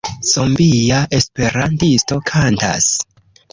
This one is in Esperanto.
Zombia esperantisto kantas.